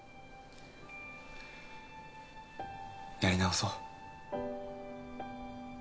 やり直そう。